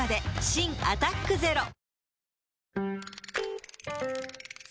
新「アタックＺＥＲＯ」